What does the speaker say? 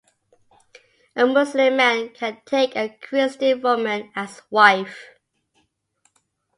A Muslim man can take a Christian woman as wife.